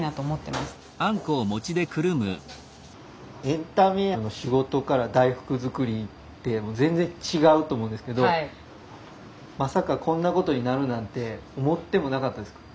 エンタメの仕事から大福作りってもう全然違うと思うんですけどまさかこんなことになるなんて思ってもなかったですか？